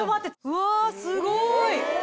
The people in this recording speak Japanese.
うわすごい！